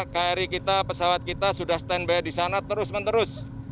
kri kita pesawat kita sudah standby di sana terus menerus